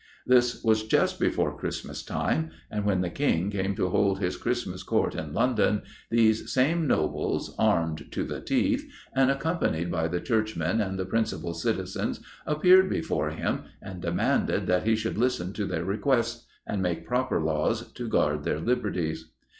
This was just before Christmas time, and when the King came to hold his Christmas Court in London, these same Nobles, armed to the teeth, and accompanied by the Churchmen and the principal citizens, appeared before him, and demanded that he should listen to their requests, and make proper laws to guard their liberties.